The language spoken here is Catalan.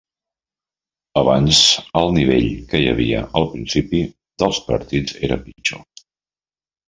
Abans el nivell que hi havia al principi dels partits era pitjor.